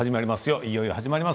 いよいよ始まります。